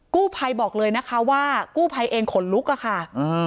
กู้ภัยบอกเลยนะคะว่ากู้ภัยเองขนลุกอะค่ะ